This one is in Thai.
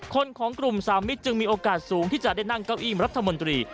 ของกลุ่มสามิตรจึงมีโอกาสสูงที่จะได้นั่งเก้าอี้รัฐมนตรี